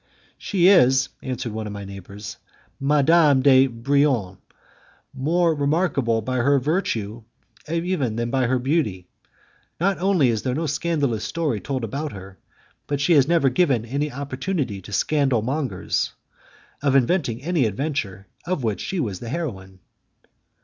"She is," answered one of my neighbours, "Madame de Brionne, more remarkable by her virtue even than by her beauty. Not only is there no scandalous story told about her, but she has never given any opportunity to scandal mongers of inventing any adventure of which she was the heroine."